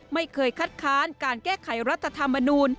ไม่เคยคัดค้านการแก้ไขรัฐธรรมนูล